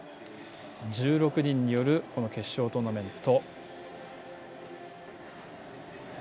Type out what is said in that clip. １６人による決勝トーナメント。